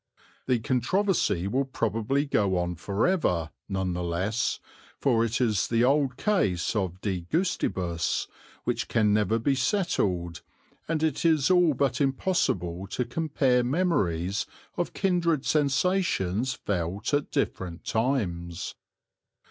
The controversy will probably go on for ever, none the less, for it is the old case of de gustibus which can never be settled, and it is all but impossible to compare memories of kindred sensations felt at different times.